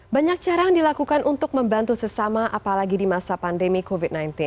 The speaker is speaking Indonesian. banyak cara yang dilakukan untuk membantu sesama apalagi di masa pandemi covid sembilan belas